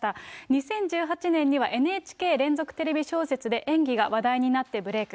２０１８年にはＮＨＫ連続テレビ小説で演技が話題になってブレーク。